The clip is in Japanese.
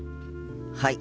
はい。